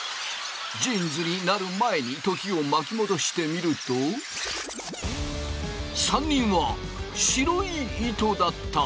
ジーンズになる前に時を巻き戻してみると３人は白い糸だった。